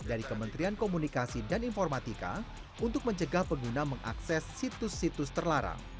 dari kementerian komunikasi dan informatika untuk mencegah pengguna mengakses situs situs terlarang